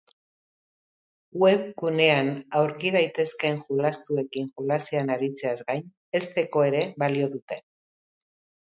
Webgunean aurki daitezkeen jolastuekin jolasean aritzeaz gain, hezteko ere balio dute.